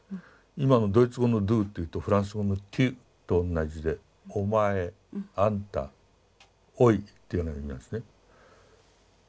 今のドイツ語のドゥーっていうとフランス語のテュと同じで「お前」「あんた」「おい」っていうような意味なんですね。